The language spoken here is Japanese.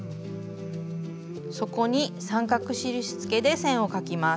そこに三角印付けで線を描きます。